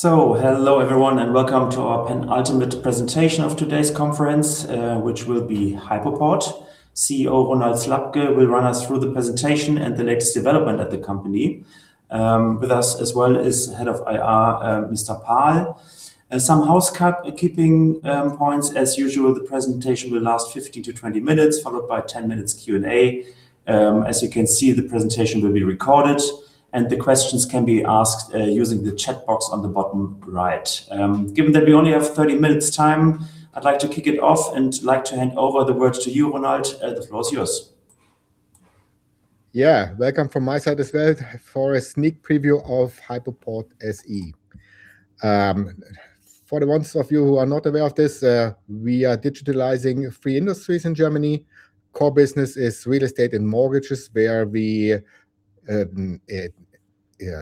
Hello everyone, and welcome to our penultimate presentation of today's conference, which will be Hypoport. CEO Ronald Slabke will run us through the presentation and the next development at the company. With us as well is Head of IR, Mr. Pahl. Some housekeeping points. As usual, the presentation will last 15-20 minutes, followed by 10 minutes Q&A. As you can see, the presentation will be recorded, and the questions can be asked using the chat box on the bottom right. Given that we only have 30 minutes time, I'd like to kick it off and like to hand over the words to you, Ronald. The floor is yours. Yeah. Welcome from my side as well for a sneak preview of Hypoport SE. For the ones of you who are not aware of this, we are digitalizing three industries in Germany. Core business is real estate and mortgages, where we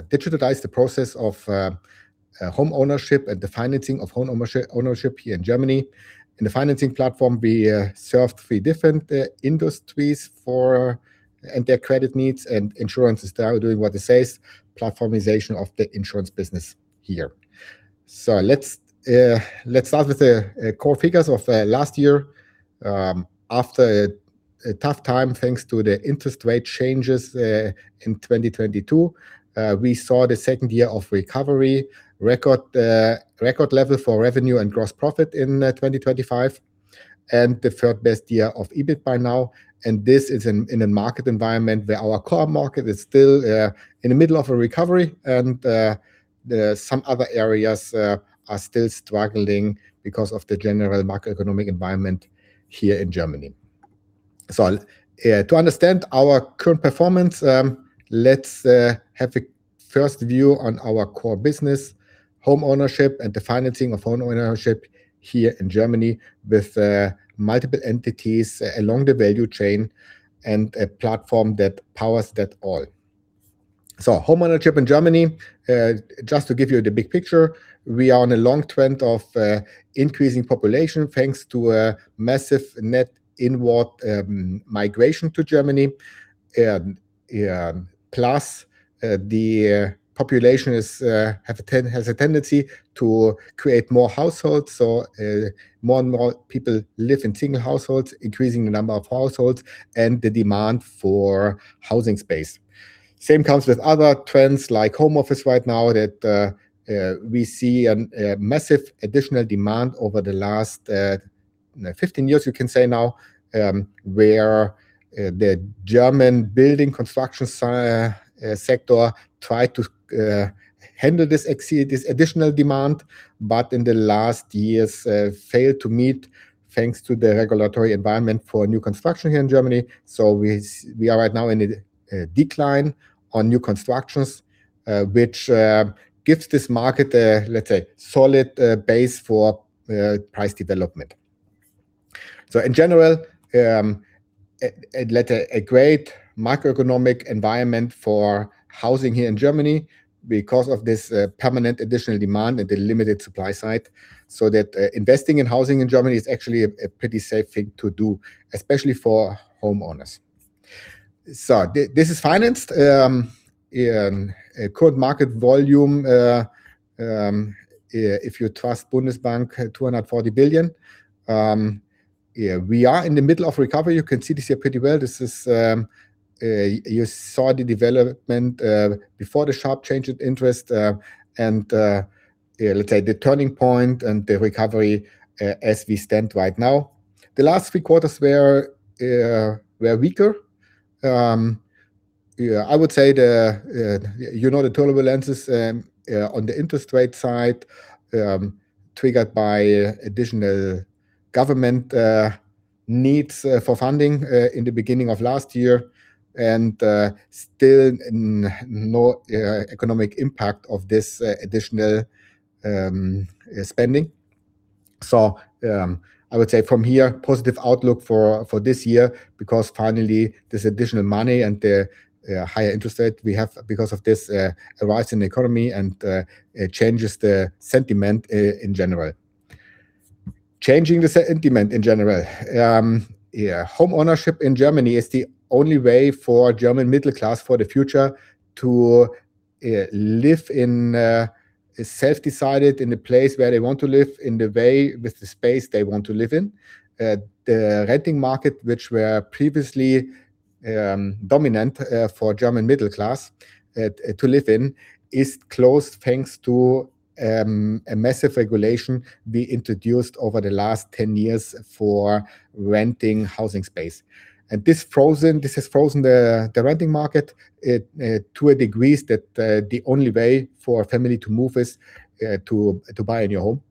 digitalize the process of home ownership and the financing of home ownership here in Germany. In the financing platform, we serve three different industries or their credit needs and insurance is doing what it says, platformization of the insurance business here. Let's start with the core figures of last year. After a tough time, thanks to the interest rate changes in 2022, we saw the second year of recovery, record level for revenue and gross profit in 2025, and the third best year of EBIT by now. This is in a market environment where our core market is still in the middle of a recovery and some other areas are still struggling because of the general macroeconomic environment here in Germany. To understand our current performance, let's have a first view on our core business, home ownership and the financing of home ownership here in Germany with multiple entities along the value chain and a platform that powers that all. Home ownership in Germany, just to give you the big picture, we are on a long trend of increasing population thanks to a massive net inward migration to Germany. Plus, the population has a tendency to create more households, so more and more people live in single households, increasing the number of households and the demand for housing space. Same comes with other trends like home office right now that we see a massive additional demand over the last 15 years, you can say now, where the German building construction sector tried to handle this additional demand, but in the last years failed to meet thanks to the regulatory environment for new construction here in Germany. We are right now in a decline on new constructions, which gives this market a, let's say, solid base for price development. In general, it led a great macroeconomic environment for housing here in Germany because of this permanent additional demand and the limited supply side, so that investing in housing in Germany is actually a pretty safe thing to do, especially for homeowners. This is financed in a current market volume. If you trust Bundesbank, 240 billion. We are in the middle of recovery. You can see this here pretty well. You saw the development before the sharp change in interest, and let's say the turning point and the recovery as we stand right now. The last three quarters were weaker. I would say the volatility on the interest rate side, triggered by additional government needs for funding in the beginning of last year, and still no economic impact of this additional spending. I would say from here, positive outlook for this year because finally this additional money and the higher interest rate we have because of this rise in the economy and changes the sentiment in general. Home ownership in Germany is the only way for German middle class, for the future, to live in a self-decided, in a place where they want to live, in the way with the space they want to live in. The renting market, which were previously dominant for German middle class to live in, is closed thanks to a massive regulation we introduced over the last 10 years for renting housing space. This has frozen the renting market to a degree that the only way for a family to move is to buy a new home.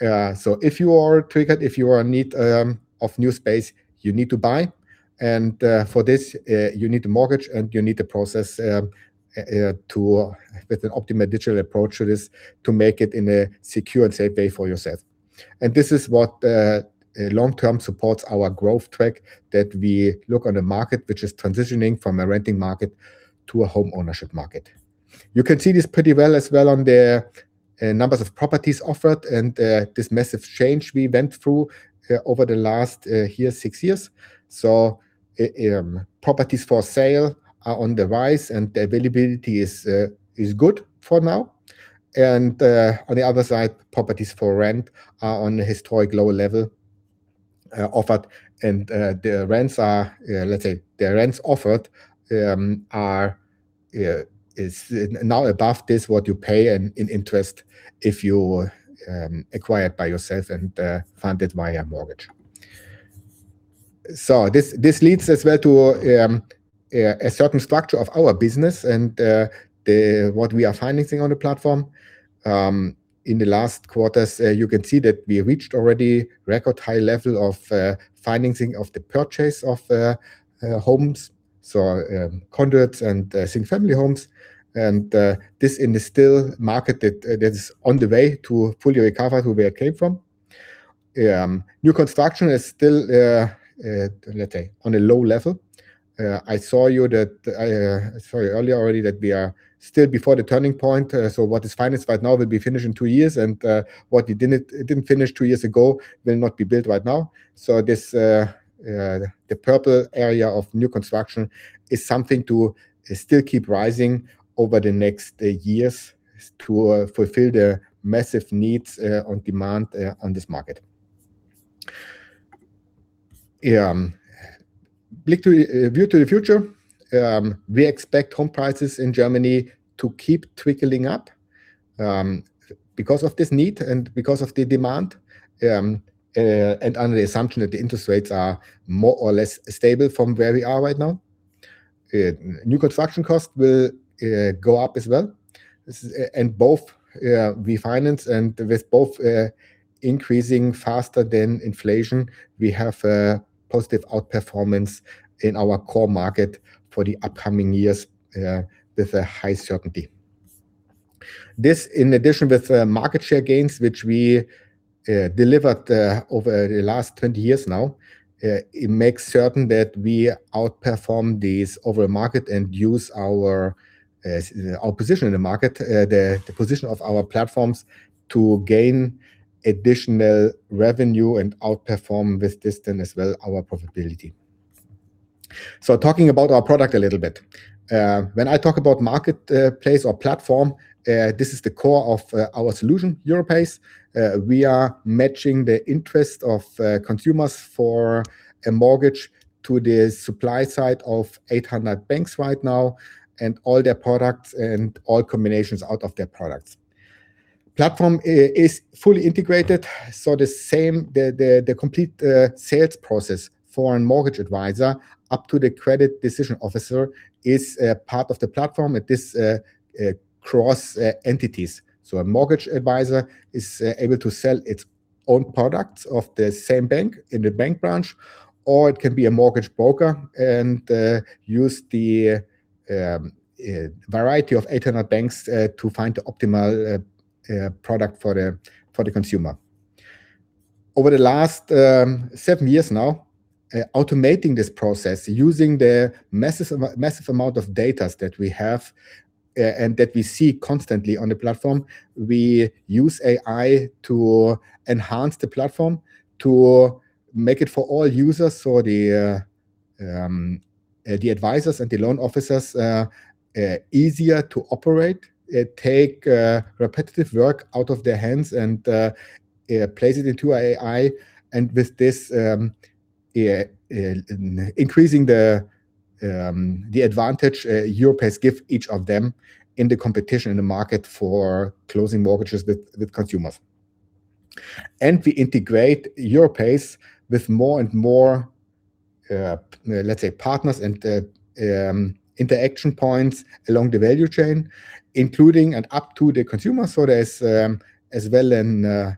If you are triggered, if you are in need of new space, you need to buy. For this, you need a mortgage and you need a process with an optimal digital approach to this to make it in a secure and safe way for yourself. This is what long-term supports our growth track that we look on a market which is transitioning from a renting market to a home ownership market. You can see this pretty well as well on the numbers of properties offered and this massive change we went through over the last here six years. Properties for sale are on the rise and the availability is good for now. On the other side, properties for rent are on a historic low level offered, and let's say the rents offered is now above this, what you pay in interest if you acquired by yourself and funded via mortgage. This leads as well to a certain structure of our business and what we are financing on the platform. In the last quarters, you can see that we reached already record high level of financing of the purchase of homes, condos and single-family homes, and this in the still market that is on the way to fully recover where we came from. New construction is still on a low level. I showed you earlier already that we are still before the turning point. What is financed right now will be finished in two years, and what didn't finish two years ago will not be built right now. The purple area of new construction is something to still keep rising over the next years to fulfill the massive needs on demand on this market. Look to the future. We expect home prices in Germany to keep ticking up, because of this need and because of the demand, and under the assumption that the interest rates are more or less stable from where we are right now. New construction costs will go up as well. Both we finance and with both increasing faster than inflation, we have a positive outperformance in our core market for the upcoming years with a high certainty. This, in addition with market share gains, which we delivered over the last 20 years now, it makes certain that we outperform the overall market and use our position in the market, the position of our platforms to gain additional revenue and outperform with this then as well our profitability. Talking about our product a little bit, when I talk about marketplace or platform, this is the core of our solution, Europace. We are matching the interest of consumers for a mortgage to the supply side of 800 banks right now and all their products and all combinations out of their products. Platform is fully integrated, so the complete sales process for a mortgage advisor up to the credit decision officer is a part of the platform across entities. A mortgage advisor is able to sell its own products of the same bank in the bank branch, or it can be a mortgage broker and use the variety of 800 banks to find the optimal product for the consumer. Over the last seven years now, automating this process using the massive amount of data that we have and that we see constantly on the platform, we use AI to enhance the platform to make it for all users, so the advisors and the loan officers, easier to operate, take repetitive work out of their hands and place it into AI. With this, increasing the advantage Europace give each of them in the competition in the market for closing mortgages with consumers. We integrate Europace with more and more, let's say, partners and interaction points along the value chain, including and up to the consumer. There's as well a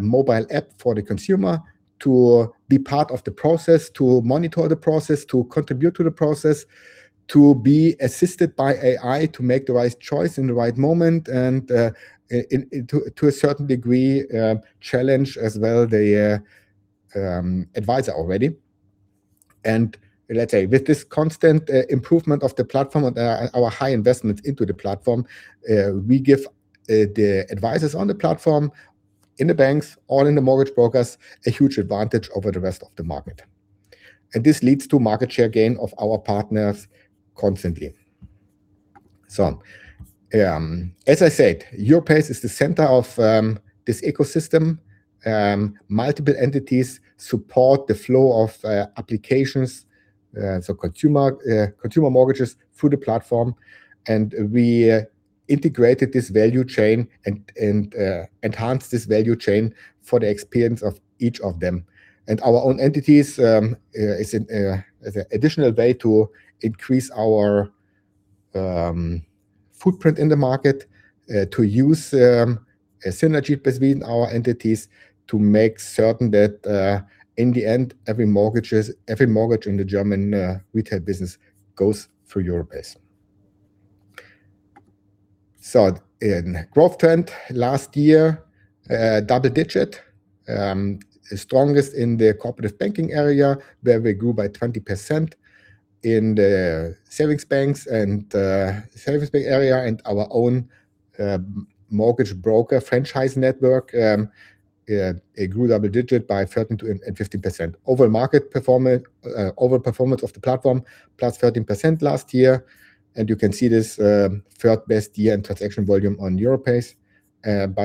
mobile app for the consumer to be part of the process, to monitor the process, to contribute to the process, to be assisted by AI, to make the right choice in the right moment, and to a certain degree, challenge as well the advisor already. With this constant improvement of the platform and our high investments into the platform, we give the advisors on the platform, in the banks, or in the mortgage brokers a huge advantage over the rest of the market. This leads to market share gain of our partners constantly. As I said, Europace is the center of this ecosystem. Multiple entities support the flow of applications, so consumer mortgages through the platform. We integrated this value chain and enhanced this value chain for the experience of each of them. Our own entities is an additional way to increase our footprint in the market, to use synergy between our entities to make certain that in the end, every mortgage in the German retail business goes through Europace. In growth trend last year, double-digit, strongest in the cooperative banking area, where we grew by 20% in the savings banks and service bank area and our own mortgage broker franchise network, it grew double-digit by 13% and 15%. Over-performance of the platform, +13% last year. You can see this third-best year in transaction volume on Europace.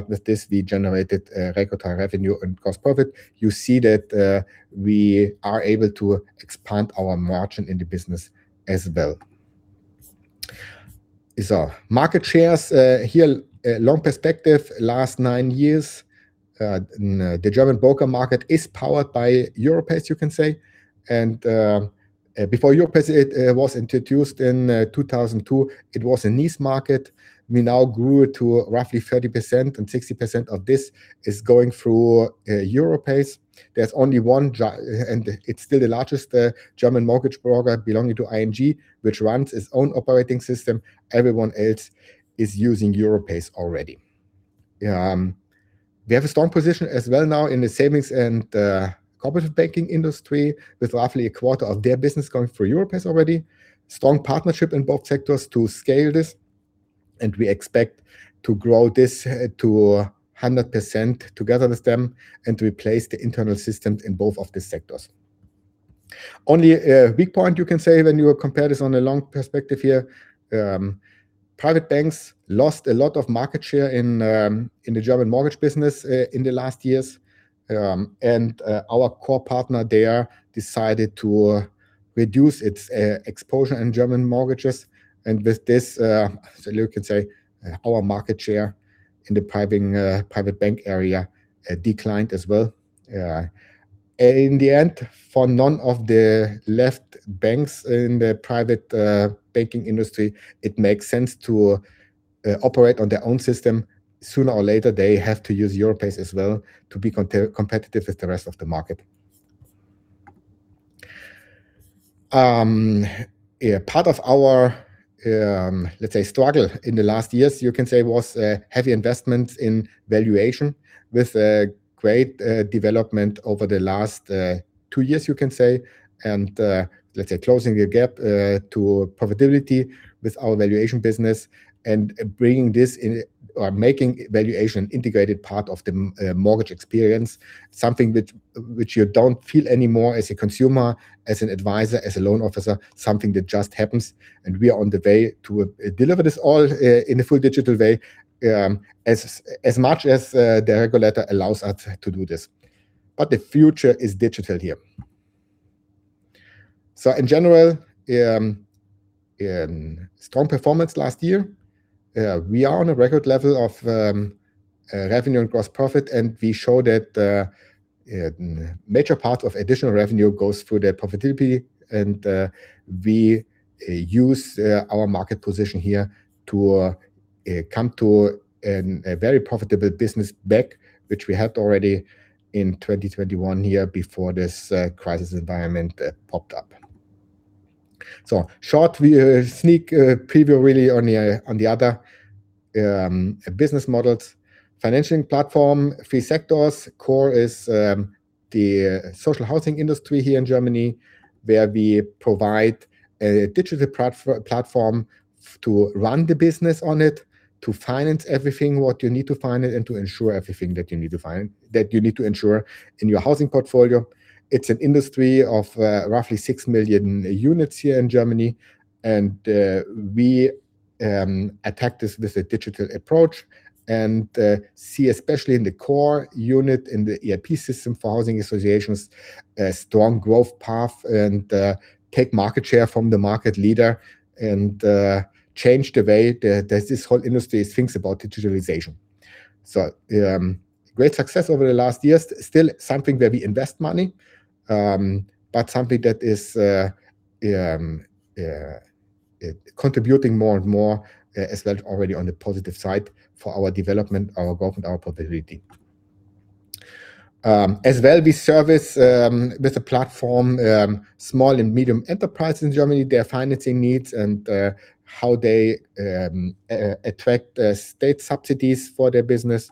With this, we generated record high revenue and gross profit. You see that we are able to expand our margin in the business as well. These are market shares here, long perspective, last nine years. The German broker market is powered by Europace, you can say. Before Europace, it was introduced in 2002, it was a niche market. We now grew to roughly 30%, and 60% of this is going through Europace. There's only one, and it's still the largest German mortgage broker belonging to ING, which runs its own operating system. Everyone else is using Europace already. We have a strong position as well now in the savings and cooperative banking industry, with roughly 1/4 of their business going through Europace already. Strong partnership in both sectors to scale this, and we expect to grow this to 100% together with them and to replace the internal systems in both of the sectors. Only a big point you can say when you compare this on a long perspective here, private banks lost a lot of market share in the German mortgage business in the last years. Our core partner there decided to reduce its exposure in German mortgages. With this, you can say our market share in the private bank area declined as well. In the end, for none of the left banks in the private banking industry, it makes sense to operate on their own system. Sooner or later, they have to use Europace as well to be competitive with the rest of the market. Part of our, let's say, struggle in the last years, you can say was heavy investments in valuation with great development over the last two years, you can say, and let's say closing the gap to profitability with our valuation business and making valuation an integrated part of the mortgage experience. Something which you don't feel anymore as a consumer, as an advisor, as a loan officer, something that just happens, and we are on the way to deliver this all in a full digital way, as much as the regulator allows us to do this. The future is digital here. In general, strong performance last year. We are on a record level of revenue and gross profit, and we show that major part of additional revenue goes through the profitability, and we use our market position here to come to a very profitable business back, which we had already in 2021, year before this crisis environment popped up. Short sneak preview really on the other business models. Financing Platform, three sectors. Core is the social housing industry here in Germany, where we provide a digital platform to run the business on it, to finance everything what you need to finance, and to insure everything that you need to insure in your housing portfolio. It's an industry of roughly 6 million units here in Germany, and we attack this with a digital approach and see, especially in the core unit, in the ERP system for housing associations, a strong growth path and take market share from the market leader and change the way that this whole industry thinks about digitalization. Great success over the last years, still something where we invest money, but something that is contributing more and more as well already on the positive side for our development, our growth, and our profitability. As well, we service, with a platform, small and medium enterprise in Germany, their financing needs and how they attract state subsidies for their business.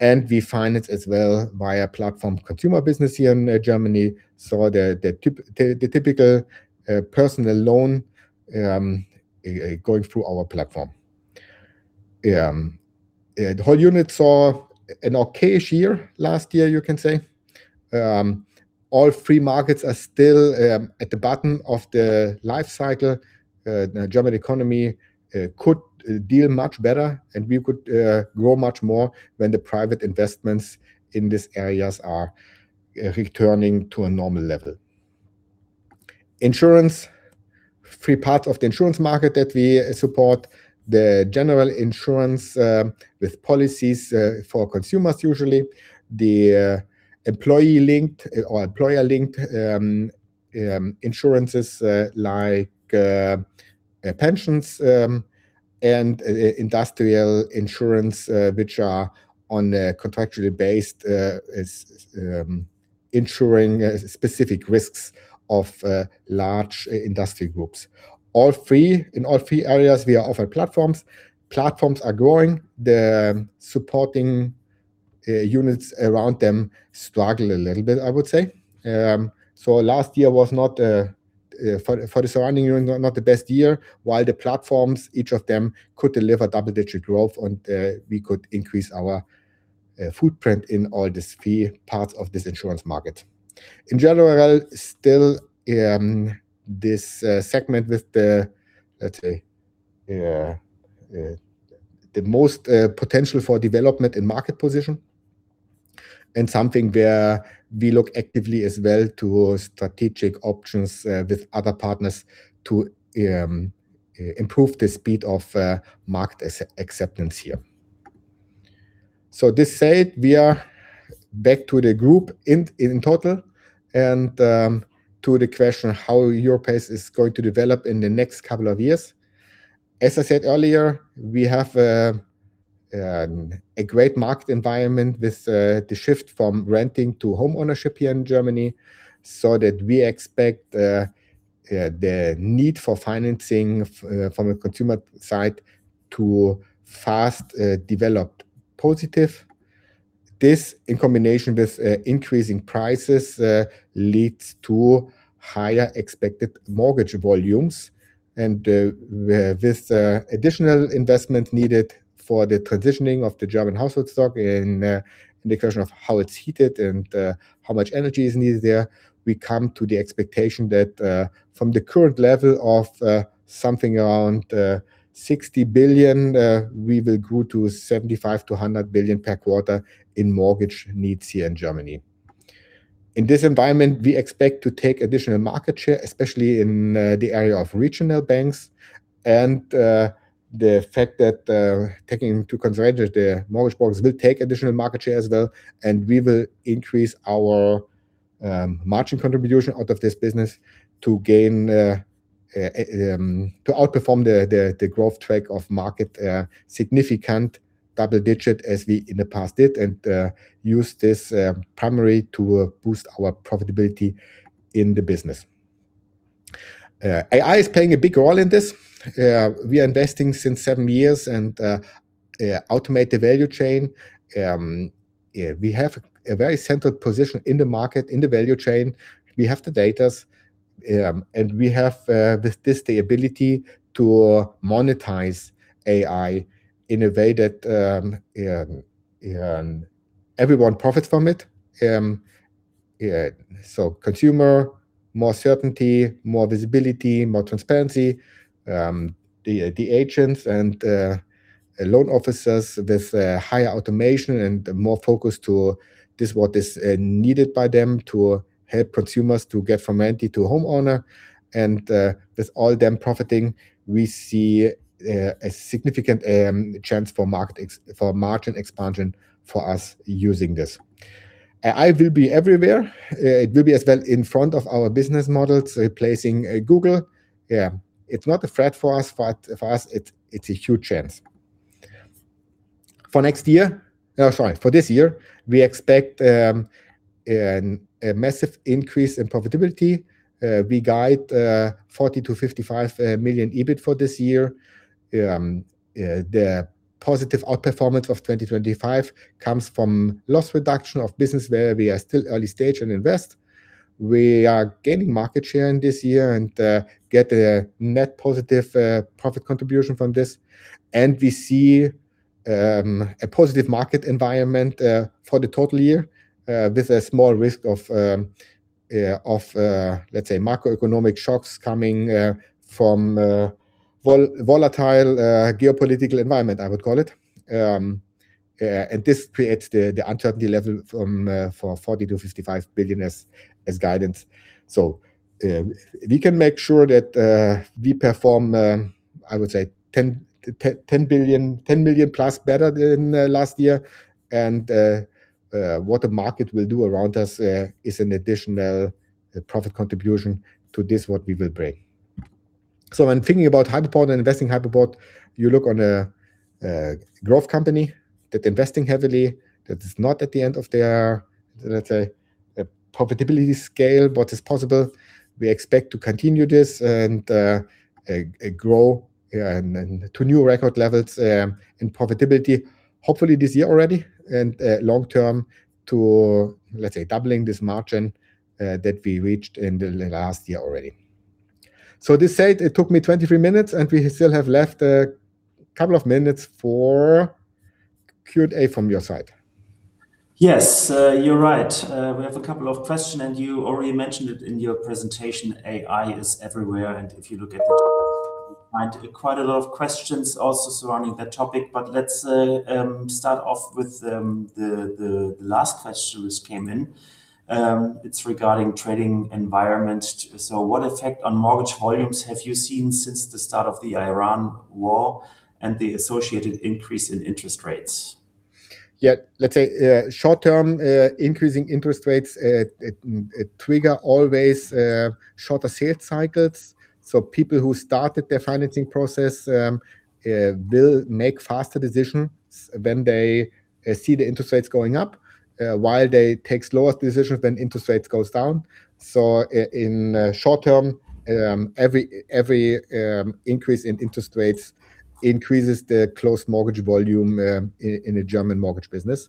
We finance as well via platform consumer business here in Germany, the typical personal loan going through our platform. The whole unit saw an okay-ish year last year, you can say. All three markets are still at the bottom of the life cycle. The German economy could deal much better, and we could grow much more when the private investments in these areas are returning to a normal level. Insurance, three parts of the insurance market that we support, the general insurance with policies for consumers usually, the employee-linked or employer-linked insurances like pensions and industrial insurance which are on a contractually based, insuring specific risks of large industry groups. In all three areas, we offer platforms. Platforms are growing. The supporting units around them struggle a little bit, I would say. Last year was not, for the surrounding unit, the best year, while the platforms, each of them could deliver double-digit growth and we could increase our footprint in all these three parts of this insurance market. In general, still this segment with the, let's say, the most potential for development in market position. Something where we look actively as well to strategic options with other partners to improve the speed of market acceptance here. This said, we are back to the Group in total and to the question how Europace is going to develop in the next couple of years. As I said earlier, we have a great market environment with the shift from renting to homeownership here in Germany, so that we expect the need for financing from a consumer side to fast develop positive. This, in combination with increasing prices, leads to higher expected mortgage volumes and with additional investment needed for the transitioning of the German housing stock in the question of how it's heated and how much energy is needed there, we come to the expectation that from the current level of something around 60 billion, we will grow to 75 billion-100 billion per quarter in mortgage needs here in Germany. In this environment, we expect to take additional market share, especially in the area of regional banks, and the fact that taking into consideration the mortgage volumes will take additional market share as well, and we will increase our margin contribution out of this business to outperform the growth track of market, significant double-digit as we in the past did, and use this primarily to boost our profitability in the business. AI is playing a big role in this. We are investing since seven years and automate the value chain. We have a very central position in the market, in the value chain. We have the data, and we have with this the ability to monetize AI, innovate it. Everyone profits from it. Consumer, more certainty, more visibility, more transparency. The agents and loan officers with higher automation and more focus to this, what is needed by them to help consumers to get from empty to homeowner. With all them profiting, we see a significant chance for margin expansion for us using this. AI will be everywhere. It will be as well in front of our business models replacing Google. It's not a threat for us, it's a huge chance. For this year, we expect a massive increase in profitability. We guide 40 million-55 million EBIT for this year. The positive outperformance of 2025 comes from loss reduction of business where we are still early stage and invest. We are gaining market share in this year and get a net positive profit contribution from this. We see a positive market environment for the total year with a small risk of, let's say, macroeconomic shocks coming from volatile geopolitical environment, I would call it. This creates the uncertainty level for 40 billion-55 billion as guidance. We can make sure that we perform, I would say 10+ million better than last year. What the market will do around us is an additional profit contribution to this what we will bring. When thinking about Hypoport and investing Hypoport, you look on a growth company that investing heavily, that is not at the end of their, let's say, profitability scale, what is possible. We expect to continue this and grow to new record levels in profitability hopefully this year already and long term to, let's say, doubling this margin that we reached in the last year already. This said, it took me 23 minutes, and we still have left a couple of minutes for Q&A from your side. Yes, you're right. We have a couple of questions, and you already mentioned it in your presentation. AI is everywhere, and if you look at the top, you find quite a lot of questions also surrounding that topic. Let's start off with the last question which came in. It's regarding trading environment. What effect on mortgage volumes have you seen since the start of the Iran war and the associated increase in interest rates? Yeah, let's say, short term, increasing interest rates trigger always shorter sales cycles. People who started their financing process will make faster decisions when they see the interest rates going up, while they take slower decisions when interest rates goes down. In short term, every increase in interest rates increases the closed mortgage volume in a German mortgage business.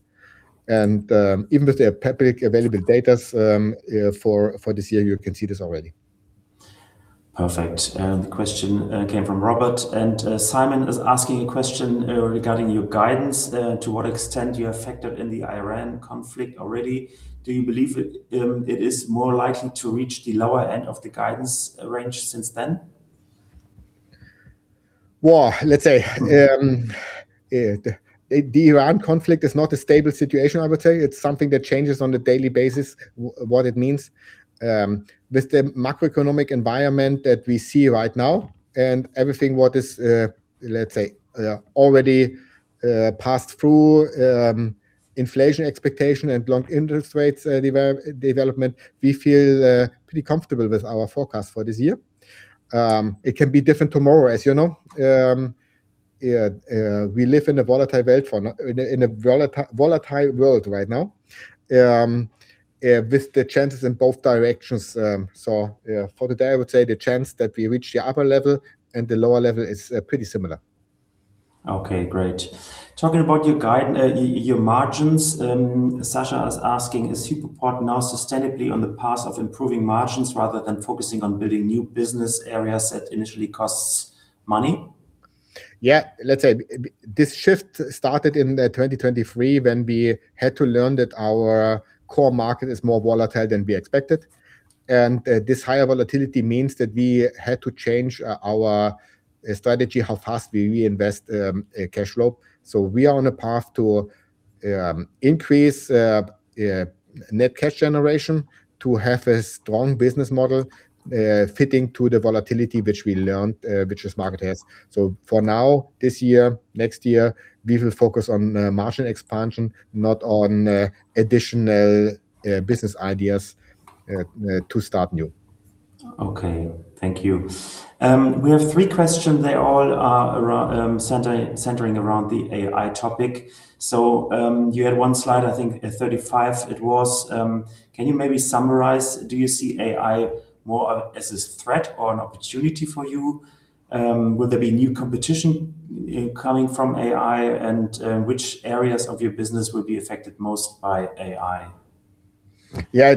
Even with the public available datas for this year, you can see this already. Perfect. The question came from Robert, and Simon is asking a question regarding your guidance. To what extent you are affected in the Iran conflict already? Do you believe it is more likely to reach the lower end of the guidance range since then? Well, let's say, the Iran conflict is not a stable situation, I would say. It's something that changes on a daily basis what it means. With the macroeconomic environment that we see right now and everything what is, let's say, already passed through inflation expectation and long interest rates development, we feel pretty comfortable with our forecast for this year. It can be different tomorrow, as you know. We live in a volatile world right now, with the chances in both directions. For today, I would say the chance that we reach the upper level and the lower level is pretty similar. Okay, great. Talking about your margins, Sascha is asking, is Hypoport now sustainably on the path of improving margins rather than focusing on building new business areas that initially costs money? Yeah, let's say this shift started in 2023 when we had to learn that our core market is more volatile than we expected. This higher volatility means that we had to change our strategy, how fast we reinvest cash flow. We are on a path to increase net cash generation to have a strong business model fitting to the volatility which this market has. For now, this year, next year, we will focus on margin expansion, not on additional business ideas to start new. Okay. Thank you. We have three questions. They all are centering around the AI topic. You had one slide, I think at 35 it was. Can you maybe summarize, do you see AI more as a threat or an opportunity for you? Will there be new competition coming from AI? Which areas of your business will be affected most by AI? Yeah.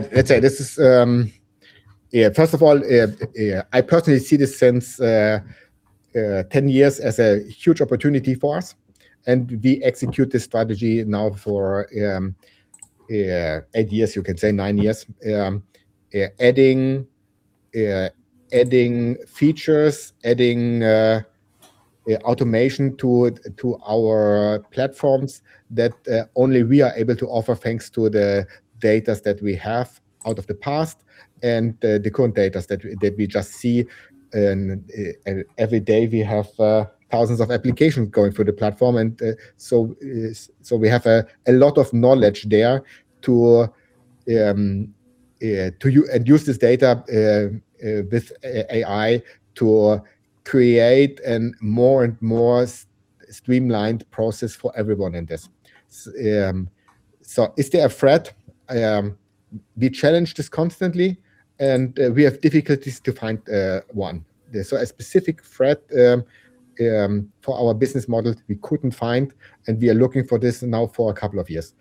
First of all, I personally see this since 10 years as a huge opportunity for us, and we execute the strategy now for eight years, you can say nine years, adding features, adding automation to our platforms that only we are able to offer thanks to the data that we have out of the past and the current data that we just see. Every day we have thousands of applications going through the platform. We have a lot of knowledge there to use this data with AI to create more and more streamlined process for everyone in this. Is there a threat? We challenge this constantly, and we have difficulties to find one. A specific threat for our business model we couldn't find, and we are looking for this now for a couple of years.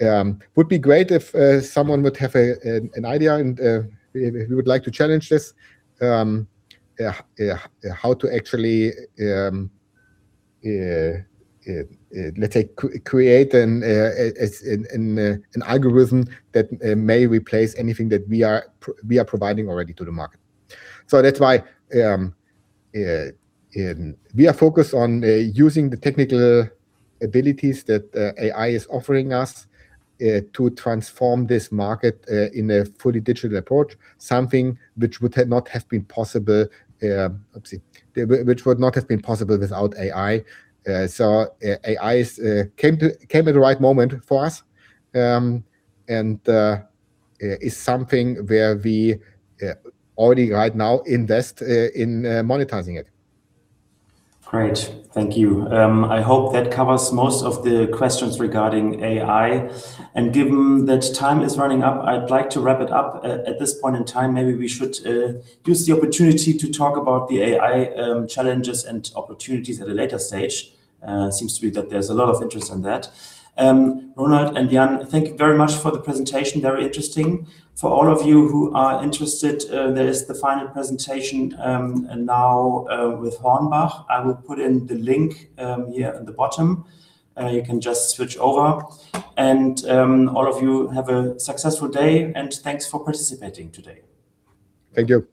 Would be great if someone would have an idea and we would like to challenge this, how to actually, let's say, create an algorithm that may replace anything that we are providing already to the market. That's why we are focused on using the technical abilities that AI is offering us, to transform this market, in a fully digital approach, something which would not have been possible, which would not have been possible without AI. AI came at the right moment for us, and is something where we already right now invest in monetizing it. Great. Thank you. I hope that covers most of the questions regarding AI. Given that time is running up, I'd like to wrap it up at this point in time. Maybe we should use the opportunity to talk about the AI challenges and opportunities at a later stage. Seems to be that there's a lot of interest in that. Ronald and Jan, thank you very much for the presentation. Very interesting. For all of you who are interested, there is the final presentation now, with Hornbach. I will put in the link here in the bottom. You can just switch over. All of you have a successful day, and thanks for participating today. Thank you.